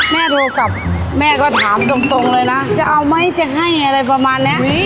โทรกลับแม่ก็ถามตรงเลยนะจะเอาไหมจะให้อะไรประมาณนี้